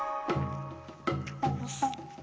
よし。